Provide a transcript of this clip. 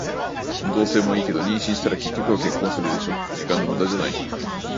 同棲もいいけど、妊娠したら結局は結婚するでしょ。時間の無駄じゃない？